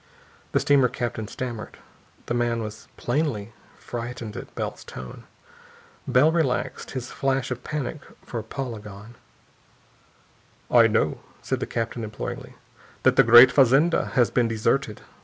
The steamer captain stammered. The man was plainly frightened at Bell's tone. Bell relaxed, his flash of panic for Paula gone. "I know," said the captain imploringly, "that the great fazenda has been deserted.